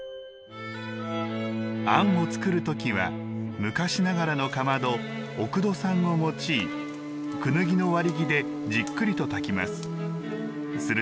あんを作るときは昔ながらのかまど「おくどさん」を用いクヌギの割り木でじっくりと炊きます。